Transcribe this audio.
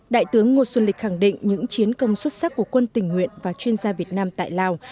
đại tướng ngô xuân lịch khẳng định những chiến công xuất sắc của quân tình nguyện và chuyên gia việt nam tại lào